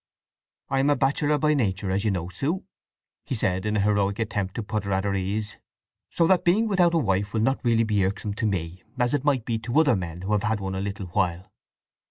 "I am a bachelor by nature, as you know, Sue," he said, in a heroic attempt to put her at her ease. "So that being without a wife will not really be irksome to me, as it might be to other men who have had one a little while.